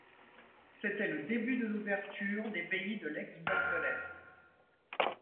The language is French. C'était le début de l'ouverture des pays de l'ex-bloc de l'Est.